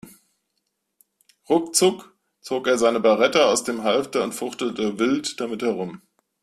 Ruckzuck zog er seine Beretta aus dem Halfter und fuchtelte wild damit herum.